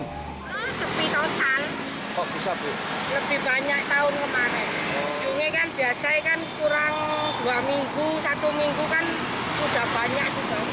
lebih banyak tahun kemarin ini kan biasanya kan kurang dua minggu satu minggu kan sudah banyak